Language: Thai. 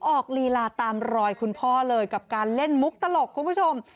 ลีลาตามรอยคุณพ่อเลยกับการเล่นมุกตลกคุณผู้ชม